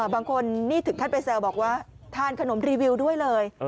บางคนนี่ถึงขั้นไปแซวบอกว่าทานขนมรีวิวด้วยเลย